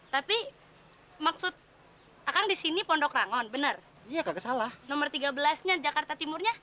tapi maksud akan di sini pondok rangon benar salah nomor tiga belas nya jakarta timurnya